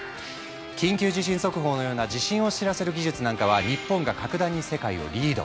緊急地震速報のような地震を知らせる技術なんかは日本が格段に世界をリード。